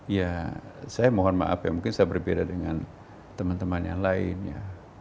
ya saya mohon maaf ya mungkin saya berbeda dengan teman teman yang lain ya